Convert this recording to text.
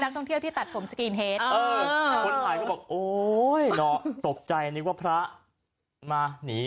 และคุณภูมิของเราจะห้ทำได้